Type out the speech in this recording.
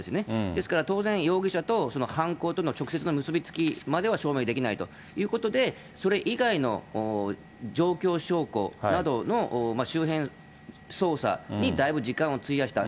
ですから当然、容疑者と犯行との直接の結び付きまでは証明できないということで、それ以外の状況証拠などの周辺捜査に、だいぶ時間を費やした。